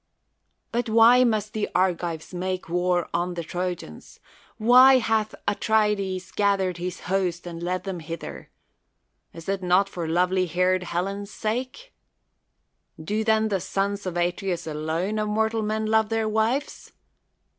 But why must the Argives make w^ar on the Trojans? Why hath Atreides gathered his host and led them hither? Is it not for lovely haired Helen's sake? Do then the sons of Atreus alone of mortal men love their wives?